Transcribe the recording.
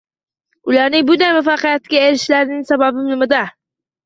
Ularning bunday muvaffaqiyatga erishishlarining sababi nimada?